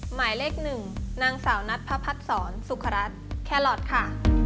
หมายเลขหนึ่งนางสาวนัดพระพัดศรสุขรัฐแครอทค่ะ